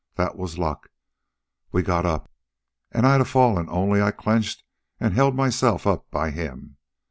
That was luck. We got up, an' I'd a fallen, only I clenched an' held myself up by him.